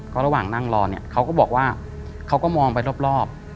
ก็ระหว่างนั่งรอเนี่ยเขาก็บอกว่าเขาก็มองไปรอบ